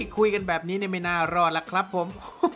คุยกันแบบนี้ไม่น่ารอดล่ะครับผม